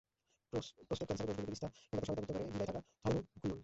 Prostate ক্যানসারের কোষগুলোর বিস্তার ঠেকাতে সহায়তা করতে পারে জিরায় থাকা থাইমোকুইনোন।